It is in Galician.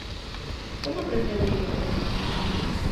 Como aprendeu o idioma?